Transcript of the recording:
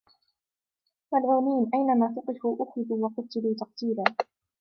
ملعونين أينما ثقفوا أخذوا وقتلوا تقتيلا